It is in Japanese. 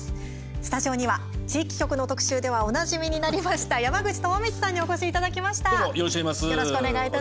スタジオには地域局の特集ではおなじみになりました山口智充さんにお越しいただきました。